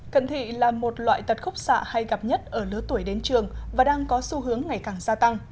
cận thị là một loại tật khúc xạ hay gặp nhất ở lứa tuổi đến trường và đang có xu hướng ngày càng gia tăng